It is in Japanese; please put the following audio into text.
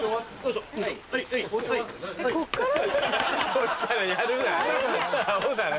そっからやるな。